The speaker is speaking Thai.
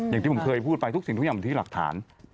อย่างที่ผมเคยพูดไปทุกสิ่งทุกอย่างอยู่ที่หลักฐาน